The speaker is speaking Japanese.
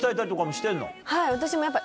はい私もやっぱ。